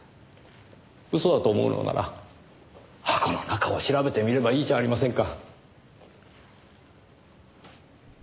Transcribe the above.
嘘だと思うのなら箱の中を調べてみればいいじゃありませんか。